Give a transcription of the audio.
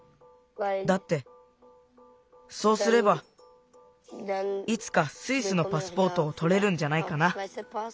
だってそうすればいつかスイスのパスポートをとれるんじゃないかな。